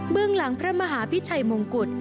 เบื้องหลังพระมหาพิชัยมงกุฎ